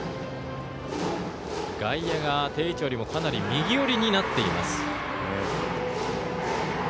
外野が定位置よりもかなり右寄りになっています。